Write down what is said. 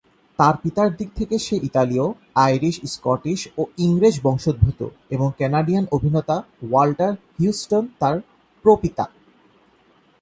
তার পিতার দিক থেকে সে ইতালীয়, আইরিশ, স্কটিশ, ও ইংরেজ বংশদ্ভূত এবং কানাডিয়ান অভিনেতা ওয়াল্টার হিউস্টন তার প্র-পিতা।